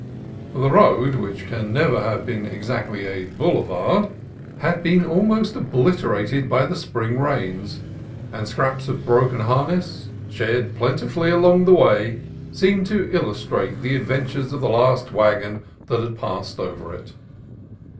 The road, which can never have been exactly a boulevard, had been almost obliterated by the spring rains, and scraps of broken harness, shed plentifully along the way, seemed to illustrate the adventures of the last wagon that had passed over it.